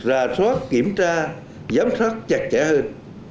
rà soát kiểm tra giám sát chặt chẽ hơn